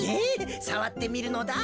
さわってみるのだ。